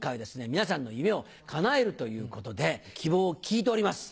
皆さんの夢を叶えるということで希望を聞いております。